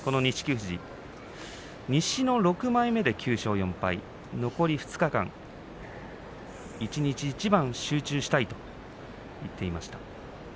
富士、西の６枚目で９勝４敗残り２日間、一日一番集中したいと言ってました。